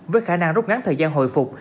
với khả năng rút ngắn thời gian hồi phục